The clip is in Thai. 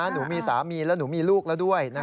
หนูมีสามีแล้วหนูมีลูกแล้วด้วย